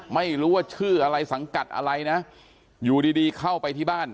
ไม่รู้ว่าชื่ออะไรสังกัดอะไรนะอยู่ดีดีเข้าไปที่บ้าน